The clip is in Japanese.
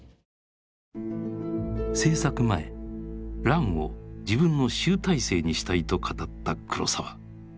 製作前「乱」を自分の集大成にしたいと語った黒澤。